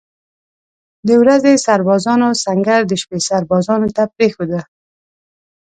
د ورځې سربازانو سنګر د شپې سربازانو ته پرېښوده.